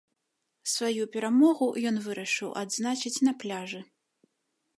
Сваю перамогу ён вырашыў адзначыць на пляжы.